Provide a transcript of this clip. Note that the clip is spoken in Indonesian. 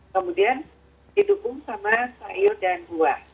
kemudian didukung sama sayur dan buah